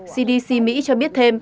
cdc mỹ cho biết thêm